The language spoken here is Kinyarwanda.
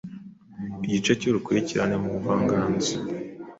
Igice cyurukurikirane mubuvanganzo